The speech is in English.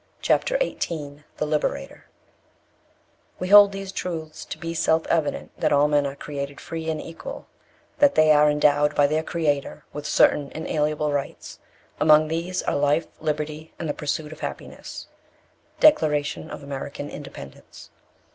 CHAPTER XVIII THE LIBERATOR "We hold these truths to be self evident, that all men are created free and equal; that they are endowed by their Creator with certain inalienable rights; among these are life, liberty, and the pursuit of happiness." Declaration of American Independence.